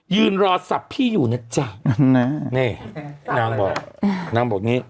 ยืนรอสับพี่อยู่นะจ๊ะนี่นางบอกนางบอกนี้